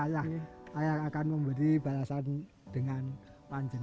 yang akan memberi balasan dengan panjang